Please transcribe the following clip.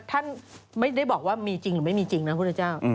ท่านไม่ได้บอกว่ามีจริงหรือไม่มีจริงนะพุทธเจ้า